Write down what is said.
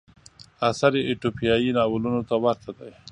اثر یې اتوپیایي ناولونو ته ورته دی.